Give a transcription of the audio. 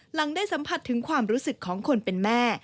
หลังได้สัมผัสถึงความรู้สึกของคนเป็นแม่